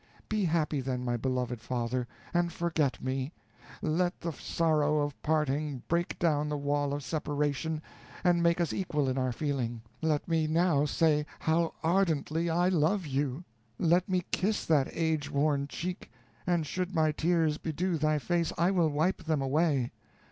Be happy then, my beloved father, and forget me; let the sorrow of parting break down the wall of separation and make us equal in our feeling; let me now say how ardently I love you; let me kiss that age worn cheek, and should my tears bedew thy face, I will wipe them away.